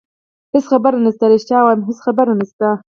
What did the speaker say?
هېڅ خبره نشته، رښتیا وایم هېڅ خبره نشته.